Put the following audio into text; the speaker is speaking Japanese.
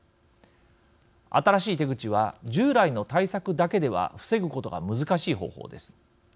新しい手口は従来の対策だけでは防ぐことが難しい方法です。